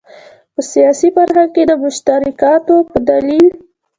په سیاسي فرهنګ کې د مشترکاتو په دلیل.